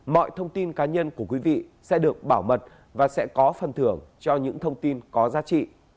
mọi thông tin cá nhân của quý vị sẽ được bảo mật và sẽ có phần thưởng cho những thông tin có giá trị